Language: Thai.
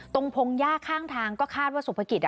ตรงพงศ์ยากข้างทางก็คาดว่าสุขภิกษ์